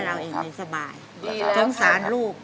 แต่เงินมีไหม